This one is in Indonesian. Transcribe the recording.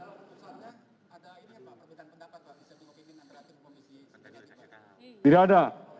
ada ini apa pendapat pak bisa bimbo pinin antara tim komisi